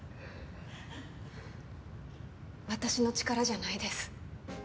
私の力じゃないです